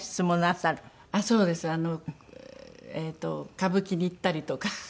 歌舞伎に行ったりとか。